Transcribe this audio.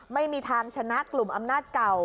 ไม่มีทางชนะกลุ่มอำนาจเก่า